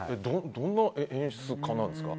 どんな演出家なんですか？